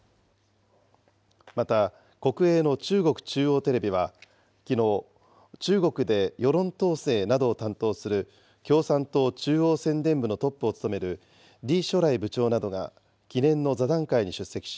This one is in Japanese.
また、国営の中国中央テレビはきのう、中国で世論統制などを担当する共産党中央宣伝部のトップを務める李書磊部長などが、記念の座談会などに出席し、